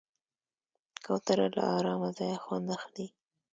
کوتره له آرامه ځایه خوند اخلي.